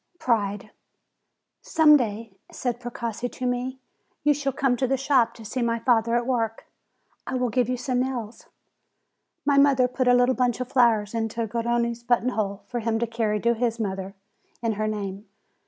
PRIDE 123 "Some day," said Precossi to me, "you shall come to the shop to see my father at work. I will give you some nails." My mother put a little bunch of flowers into Gar rone's button hole, for him to carry to his mother in her name.